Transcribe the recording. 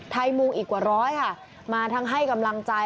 มุงอีกกว่าร้อยค่ะมาทั้งให้กำลังใจ